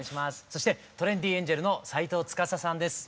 そしてトレンディエンジェルの斎藤司さんです。